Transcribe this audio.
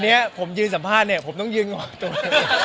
เนี่ยวันนี้ผมยืนสัมภาษณ์ผมต้องยืนกว่าตัวเอง